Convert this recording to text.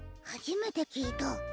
はじめてきいた。